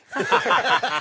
ハハハハ！